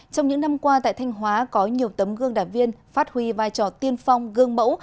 trong những năm qua tại thanh hóa có nhiều tấm gương đảng viên phát huy vai trò tiên phong gương mẫu